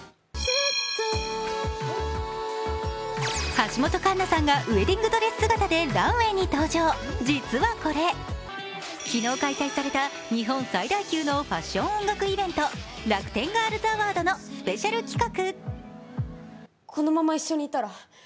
橋本環奈さんがウェンディングドレス姿でランウェイに登場、実はこれ、昨日開催された日本最大級のファッション音楽イベントＲａｋｕｔｅｎＧｉｒｌｓＡｗａｒｄのスペシャル企画。